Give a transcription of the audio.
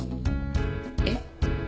えっ？